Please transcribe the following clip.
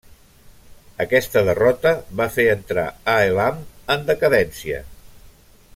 Aquesta derrota va fer entrar a Elam en decadència.